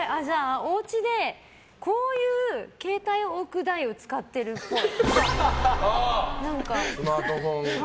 おうちでこういう携帯を置く台を使ってるっぽい。